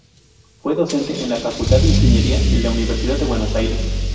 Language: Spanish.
Fue docente en la Facultad de Ingeniería de la Universidad de Buenos Aires.